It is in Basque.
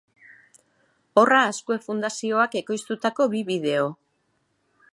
Horra Azkue Fundazioak ekoiztutako bi bideo.